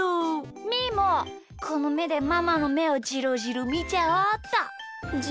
みーもこのめでママのめをじろじろみちゃおうっと。